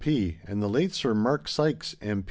P., and the late Sir Mark Sykes, M.